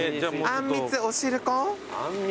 あんみつお汁粉？